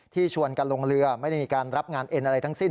ชวนกันลงเรือไม่ได้มีการรับงานเอ็นอะไรทั้งสิ้น